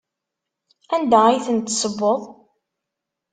Anda ay ten-tessewweḍ?